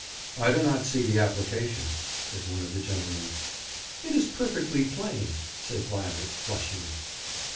"' 'I do not see the application,' said one of the gentlemen. 'It is perfectly plain,' said Violet, flushing.